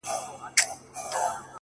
هغه د بل د كور ډېوه جوړه ده _